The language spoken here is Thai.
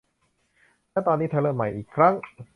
ตอนนี้เธอเริ่มใหม่อีกครั้ง